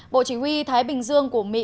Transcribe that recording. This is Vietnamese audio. bộ chỉ huy thái bình dương của mỹ